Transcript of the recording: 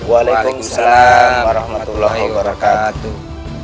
waalaikumsalam warahmatullahi wabarakatuh